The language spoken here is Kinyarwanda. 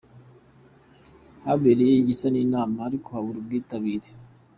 habereye igisa n’inama ariko habura ubwitabire.